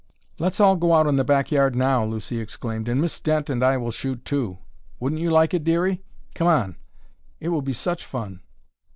"Let's all go out in the back yard now," Lucy exclaimed, "and Miss Dent and I will shoot too! Wouldn't you like it, Dearie? Come on! it will be such fun!"